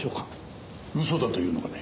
嘘だと言うのかね？